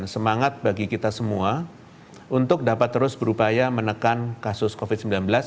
semangat bagi kita semua untuk dapat terus berupaya menekan kasus covid sembilan belas